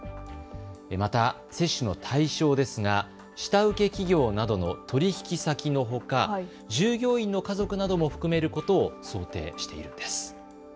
また、接種の対象ですが下請け企業などの取引先のほか、従業員の家族なども含めることを想定しているんです。